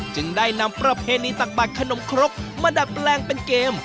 จึงได้นำประเพณีตักบาดขนมครกมาดัดแปลงเป็นเกม